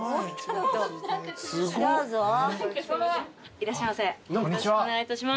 いらっしゃいませよろしくお願いいたします。